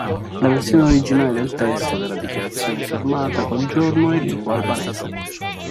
La versione originale del testo della dichiarazione firmata quel giorno è in lingua albanese.